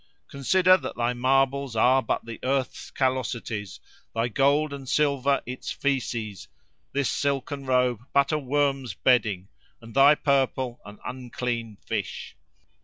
Consider that thy marbles are but the earth's callosities, thy gold and silver its faeces; this silken robe but a worm's bedding, and thy purple an unclean fish.